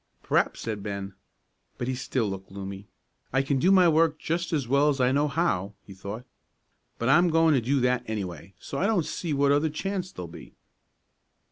"P'r'aps," said Ben. But he still looked gloomy. "I can do my work just as well's I know how," he thought; "but I'm going to do that, anyway, so I don't see what other chance there'll be."